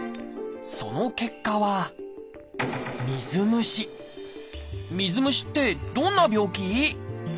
その結果は水虫ってどんな病気？